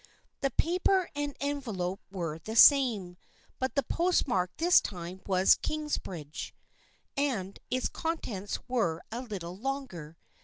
The paper and envel ope were the same, but the postmark this time was Kingsbridge, and its contents were a little longer.